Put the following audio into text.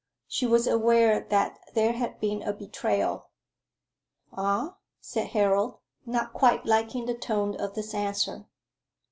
She was aware that there had been a betrayal. "Ah?" said Harold, not quite liking the tone of this answer.